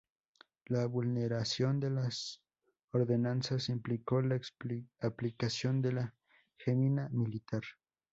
La vulneración de las ordenanzas implicó la aplicación de la gemina militar.